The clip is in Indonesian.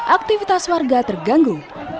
aktivitas warga terganggu